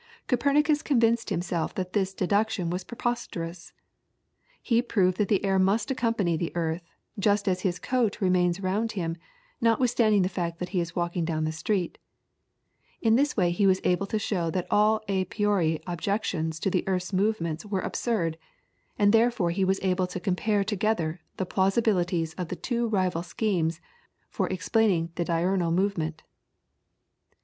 Copernicus convinced himself that this deduction was preposterous. He proved that the air must accompany the earth, just as his coat remains round him, notwithstanding the fact that he is walking down the street. In this way he was able to show that all a priori objections to the earth's movements were absurd, and therefore he was able to compare together the plausibilities of the two rival schemes for explaining the diurnal movement. [PLATE: FRAUENBURG, FROM AN OLD PRINT.